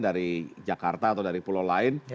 dari jakarta atau dari pulau lain